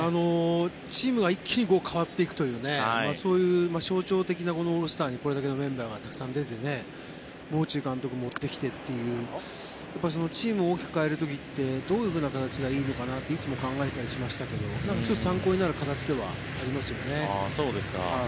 チームが一気に変わっていくという象徴的なこのオールスターにこれだけのメンバーがたくさん出てチームを大きく変える時ってどういう形がいいのかっていつも考えたりしましたけど１つ参考になる形ではありますよね。